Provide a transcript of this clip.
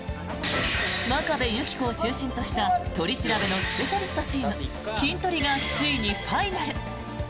真壁有希子を中心とした取り調べのスペシャリストチームキントリがついにファイナル。